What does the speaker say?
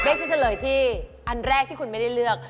จะเฉลยที่อันแรกที่คุณไม่ได้เลือก